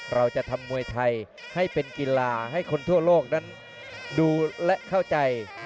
เราจะทำมวยไทยให้เป็นกีฬาให้คนทั่วโลกนั้นดูและเข้าใจ